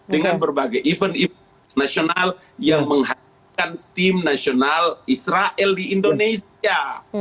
dengan berbagai event event nasional yang menghadirkan tim nasional israel di indonesia